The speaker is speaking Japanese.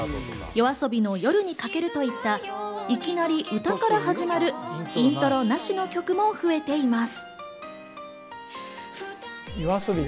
Ａｄｏの『うっせぇわ』や、ＹＯＡＳＯＢＩの『夜に駆ける』といった、いきなり歌から始まる、イントロなしの曲も増えています。